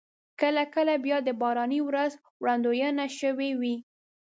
کله کله بیا د باراني ورځ وړاندوينه شوې وي.